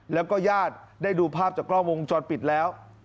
แล้วก็ญาติได้ดูภาพจากกล้องวงจรปิดแล้ว